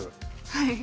はい。